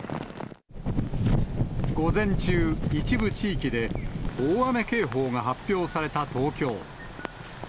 午前中、一部地域で、大雨警報が発表された東京。